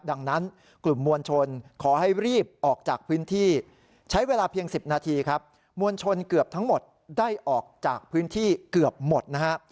ดังนั้นกลุ่มมวลชนขอให้รีบออกจากพื้นที่ใช้เวลาเพียง๑๐นาทีครับมวลชนเกือบทั้งหมดได้ออกจากพื้นที่เกือบหมดนะฮะ